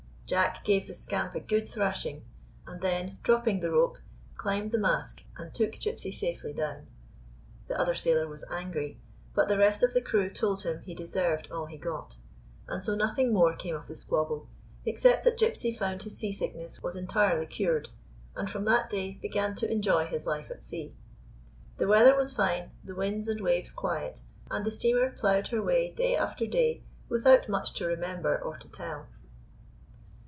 Jack gave the scamp a good thrashing, and then, dropping the rope, climbed the mast and took Gypsy safely down. The other sailor was angry ; but the rest of the crew told him he deserved all he got, and so nothing more came of the squabble, except that Gypsy found his sea sickness was entirely cured, and from that day began to enjoy his life at sea. The weather was fine, the winds and waves quiet, and the steamer ploughed her way day after day without much to remember or to tell.